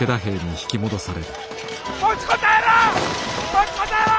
持ちこたえろ！